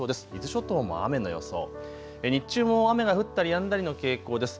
伊豆諸島も雨の予想、日中も雨が降ったりやんだりの傾向です。